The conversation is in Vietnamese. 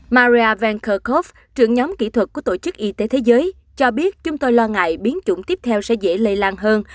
mara venkav trưởng nhóm kỹ thuật của tổ chức y tế thế giới cho biết chúng tôi lo ngại biến chủng tiếp theo sẽ dễ lây lan hơn